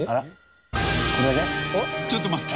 ちょっと待って。